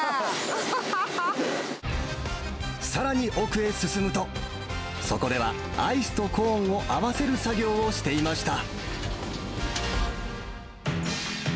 さらに奥へ進むと、そこでは、アイスとコーンを合わせる作業をしていました。